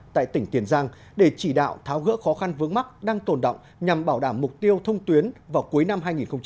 tại tỉnh tiền giang để chỉ đạo tháo gỡ khó khăn vướng mắt đang tồn động nhằm bảo đảm mục tiêu thông tuyến vào cuối năm hai nghìn hai mươi